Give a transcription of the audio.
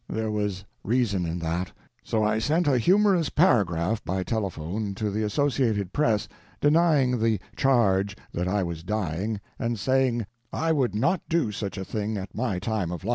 There was reason in that; so I sent a humorous paragraph by telephone to the Associated Press denying the "charge" that I was "dying," and saying "I would not do such a thing at my time of life."